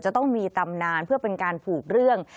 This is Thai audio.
จะต้องมีตำนานเพื่อเป็นการผูกเรื่อง